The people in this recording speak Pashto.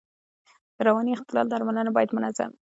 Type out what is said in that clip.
د رواني اختلال درملنه باید منظم وي.